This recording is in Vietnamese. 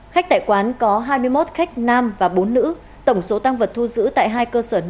khách tại quán có hai mươi một khách nam và bốn nữ tổng số tăng vật thu giữ tại hai cơ sở này là chín trăm linh quả bóng cười và hàng chục bình khí